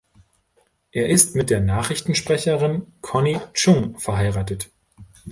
Er ist mit der Nachrichtensprecherin Connie Chung verheiratet.